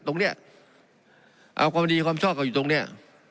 ตรงนี้เอาความดีความชอบเขาอยู่ตรงเนี้ย